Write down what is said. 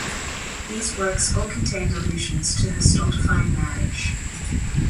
These works all contained allusions to her stultifying marriage.